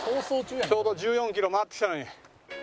ちょうど１４キロ回ってきたのに。